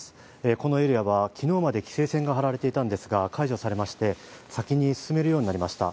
このエリアは昨日まで規制線が張られていたんですが解除されまして先に進めるようになりました。